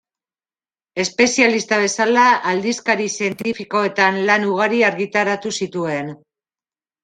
Espezialista bezala aldizkari zientifikoetan lan ugari argitaratu zituen.